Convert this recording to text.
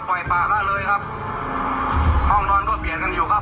ปล่อยปากแล้วเลยครับห้องนอนโทษเบียนกันอยู่ครับ